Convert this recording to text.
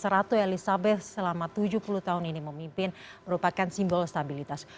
ratu elizabeth selama tujuh puluh tahun ini memimpin merupakan simbol stabilitas